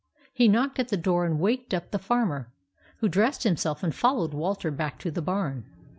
He knocked at the door and waked up the Farmer, who dressed himself and followed Walter back to the barn.